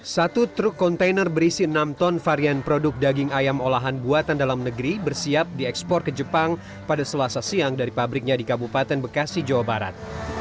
satu truk kontainer berisi enam ton varian produk daging ayam olahan buatan dalam negeri bersiap diekspor ke jepang pada selasa siang dari pabriknya di kabupaten bekasi jawa barat